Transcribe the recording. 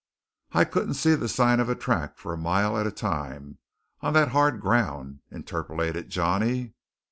"I couldn't see the sign of a track for a mile at a time, on that hard ground," interpolated Johnny.